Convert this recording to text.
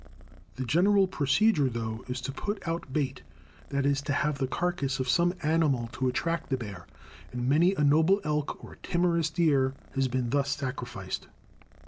The general procedure, though, is to put out bait that is, to have the carcass of some animal to attract the bear, and many a noble elk or timorous deer has been thus sacrificed.